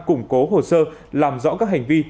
củng cố hồ sơ làm rõ các hành vi